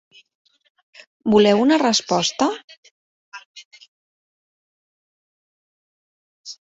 Voleu una resposta?